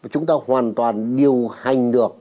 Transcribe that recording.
chúng ta hoàn toàn điều hành được